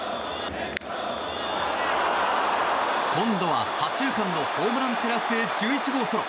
今度は、左中間のホームランテラスへ１１号ソロ。